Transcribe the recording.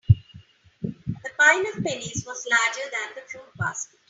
The pile of pennies was larger than the fruit basket.